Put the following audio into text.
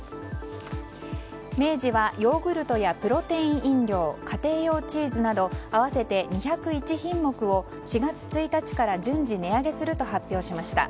明治はヨーグルトやプロテイン飲料家庭用チーズなど合わせて２０１品目を４月１日から順次値上げすると発表しました。